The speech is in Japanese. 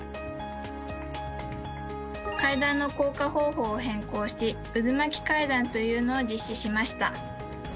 階段の降下方法を変更し渦巻階段というのを実施しました。